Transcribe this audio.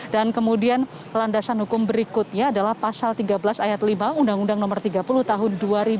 dan kemudian landasan hukum berikutnya adalah pasal tiga belas ayat lima undang undang nomor tiga puluh tahun dua ribu empat belas